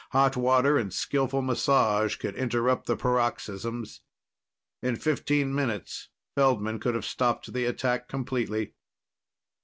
Hot water and skillful massage could interrupt the paroxysms. In fifteen minutes, Feldman could have stopped the attack completely.